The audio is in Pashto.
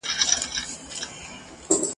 د آمو مستو څپوکي ..